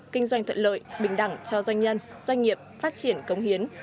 kinh doanh thuận lợi bình đẳng cho doanh nhân doanh nghiệp phát triển công hiến